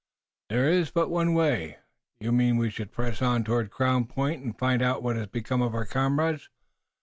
"There is but one way." "You mean we should press on toward Crown Point, and find out what has become of our comrades?"